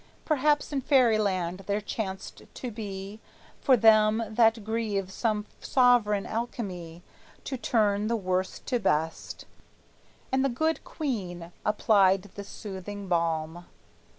Perhaps in Fairyland there chanced to be For them that grieve some sovereign alchemy To turn the worst to best, and the good queen Applied this soothing balm.